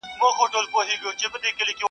ګوندي خدای مو سي پر مېنه مهربانه -